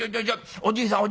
おじいさん